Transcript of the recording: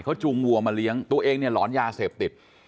เขาจูงบัวจู่มาเลี้ยงตัวเองร้อนยาเสพติด